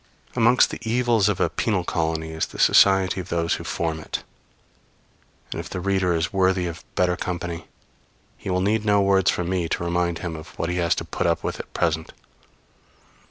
Amongst the evils of a penal colony is the society of those who form it; and if the reader is worthy of better company, he will need no words from me to remind him of what he has to put up with at present.